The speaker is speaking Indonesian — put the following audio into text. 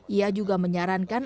ia juga menyarankan